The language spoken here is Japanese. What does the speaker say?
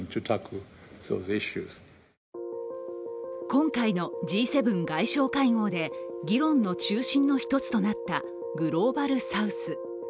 今回のＧ７外相会合で議論の中心の１つとなったグローバルサウス。